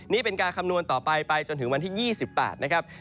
นี่เป็นการคำนวณต่อไปไปจนถึงวันที่๒๘นะครับ